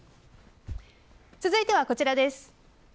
続いてはこちらです。